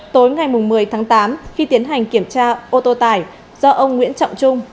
tối ngày một mươi tháng tám khi tiến hành kiểm tra ô tô tải do ông nguyễn trọng trung